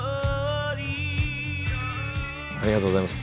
ありがとうございます。